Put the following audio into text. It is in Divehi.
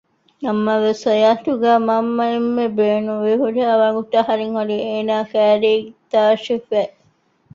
ނަމަވެސް ހަޔާތުގައި މަންމަ އެންމެ ބޭނުންވި ހުރިހާ ވަގުތު އަހަރެން ހުރީ އޭނަ ކައިރީ ތާށިވެފަ